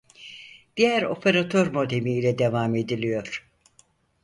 Diğer operatör modemi ile devam ediliyor